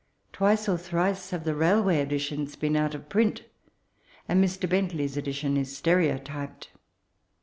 Twice or thrice have the railway editions been out of print ; and Mr. Bentley's edition is stereotyped.